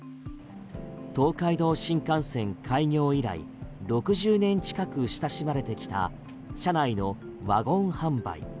東海道新幹線開業以来６０年近く親しまれてきた車内のワゴン販売。